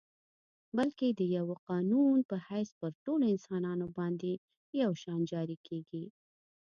بلکه د یوه قانون په حیث پر ټولو انسانانو باندي یو شان جاري کیږي.